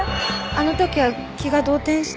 あの時は気が動転して。